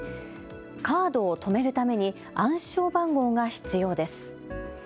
カードを止めるために暗証番号が必要です。